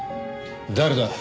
誰だ？